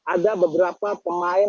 ada beberapa pemain